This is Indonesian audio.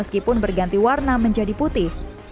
karena menjadi putih